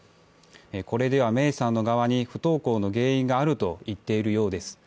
これでは芽生さんの側に不登校の原因があると言っているようです。